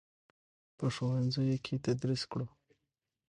په ښوونځیو کې یې تدریس کړو.